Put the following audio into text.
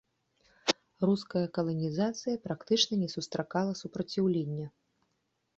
Руская каланізацыя практычна не сустракала супраціўлення.